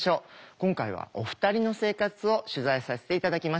今回はお二人の生活を取材させて頂きました。